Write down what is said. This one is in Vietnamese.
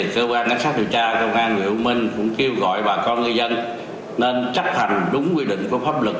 cơ quan ánh sát thử tra cơ quan huyện u minh cũng kêu gọi bà con ngư dân nên chấp hành đúng quy định của pháp lực